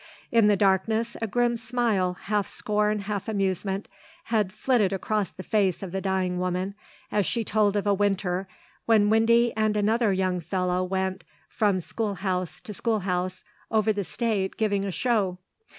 In the darkness a grim smile, half scorn, half amusement, had flitted across the face of the dying woman as she told of a winter when Windy and another young fellow went, from schoolhouse to schoolhouse, over the state giving a show.